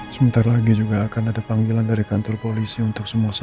sampai jumpa di video selanjutnya